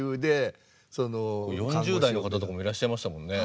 ４０代の方とかもいらっしゃいましたもんね。